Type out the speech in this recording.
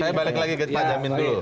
saya balik lagi ke pak jamin dulu